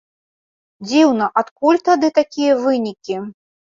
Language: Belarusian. Дзіўна, адкуль тады такія вынікі!